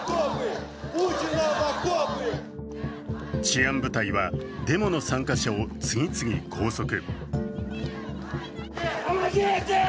治安部隊はデモの参加者を次々拘束。